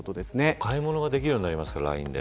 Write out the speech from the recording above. お買い物ができるようになりますから、ＬＩＮＥで。